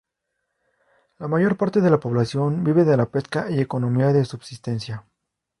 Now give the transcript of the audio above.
La mayor parte de la población vive de la pesca y economía de subsistencia.